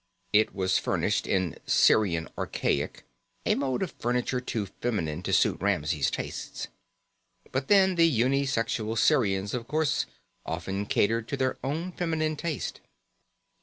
It was furnished in Sirian archaic, a mode of furniture too feminine to suit Ramsey's tastes. But then, the uni sexual Sirians, of course, often catered to their own feminine taste.